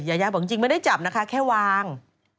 ยายาบอกจริงไม่ได้จับนะคะแค่วาง